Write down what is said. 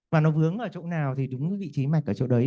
và nó vướng ở chỗ nào thì đúng cái vị trí mạch ở chỗ đấy